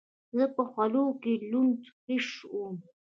زه په خولو کښې لوند خيشت وم.